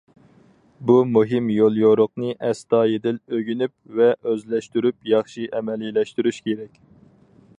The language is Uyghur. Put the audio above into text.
بۇ مۇھىم يوليورۇقنى ئەستايىدىل ئۆگىنىپ ۋە ئۆزلەشتۈرۈپ، ياخشى ئەمەلىيلەشتۈرۈش كېرەك.